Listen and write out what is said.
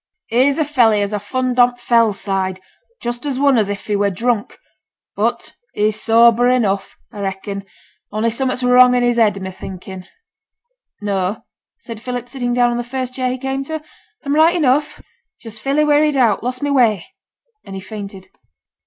'Here's a felly as a fund on t' fell side, just as one as if he were drunk; but he's sober enough, a reckon, only summat's wrong i' his head, a'm thinkin'.' 'No!' said Philip, sitting down on the first chair he came to. 'I'm right enough; just fairly wearied out: lost my way,' and he fainted.